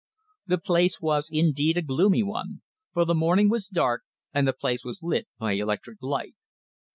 The scene was, indeed, a gloomy one, for the morning was dark, and the place was lit by electric light.